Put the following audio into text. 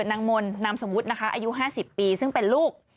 นางมนต์นามสมมุตินะคะอายุ๕๐ปีซึ่งเป็นลูก